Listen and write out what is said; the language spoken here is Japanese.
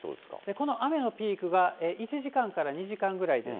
この雨のピークは１時間から２時間ぐらいです。